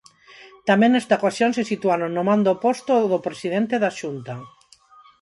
Tamén nesta ocasión se situaron no bando oposto ao do presidente da Xunta.